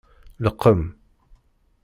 Leqqem.